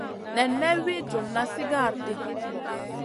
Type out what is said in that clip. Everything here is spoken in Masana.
Nen may wi djuna sigara di.